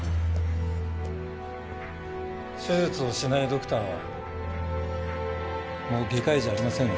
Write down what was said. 手術をしないドクターはもう外科医じゃありませんよ